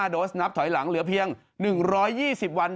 โดสนับถอยหลังเหลือเพียง๑๒๐วัน